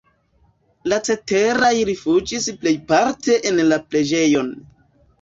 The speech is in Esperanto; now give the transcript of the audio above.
La ceteraj rifuĝis plejparte en la preĝejon.